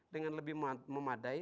dengan lebih memadai